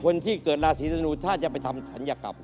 คนที่เกิดราศีธนูถ้าจะไปทำศัลยกรรม